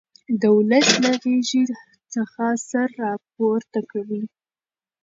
د ولس له غېږې څخه سر را پورته کوي.